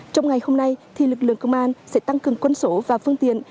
trong ngày hôm nay lực lượng công an sẽ tăng cường quân số và phương tiện